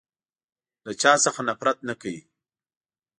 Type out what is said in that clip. له چا څخه نفرت نه کوی.